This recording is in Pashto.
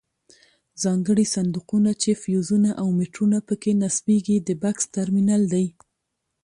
ځانګړي صندوقونه چې فیوزونه او میټرونه پکې نصبیږي د بکس ټرمینل دی.